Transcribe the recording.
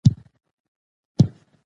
ستاسو اکثریت غږیز جملی خلطی دی